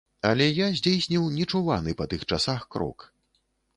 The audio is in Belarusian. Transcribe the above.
Але я здзейсніў нечуваны па тых часах крок.